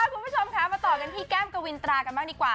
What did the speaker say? คุณผู้ชมคะมาต่อกันที่แก้มกวินตรากันบ้างดีกว่า